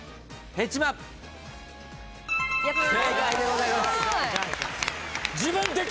正解でございます。